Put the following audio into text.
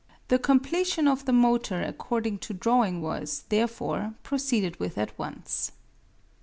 The completion of the motor according to drawing was, therefore, proceeded with at once.